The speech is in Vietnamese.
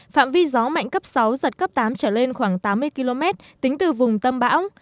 phạm vi gió mạnh cấp sáu giật cấp tám trở lên khoảng tám mươi km tính từ vùng tâm bão